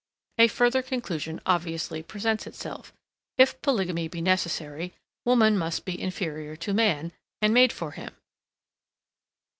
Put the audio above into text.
A further conclusion obviously presents itself; if polygamy be necessary, woman must be inferior to man, and made for him.